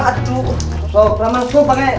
gosok kramas tuh pake